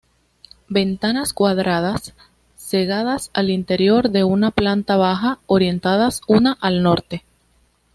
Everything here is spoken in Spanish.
Ventanas cuadradas, cegadas al exterior en la planta baja, orientadas una al norte.